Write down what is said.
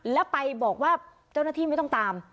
แล้วไปบอกว่าเจ้าหน้าที่ไม่ต้องตาม